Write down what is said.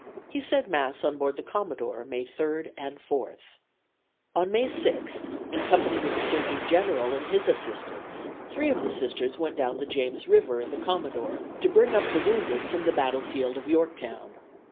He said Mass on board the "Commodore" May 3 and 4. On May 6, in company with the Surgeon General and his assistants, three of the Sisters went down the James River in the "Commodore" to bring up the wounded from the battlefield of Yorktown.